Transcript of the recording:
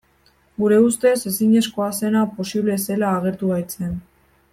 Gure ustez ezinezkoa zena posible zela agertu baitzen.